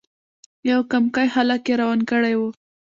یو کمکی هلک یې روان کړی وو.